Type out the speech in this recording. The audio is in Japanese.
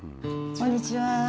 こんにちは。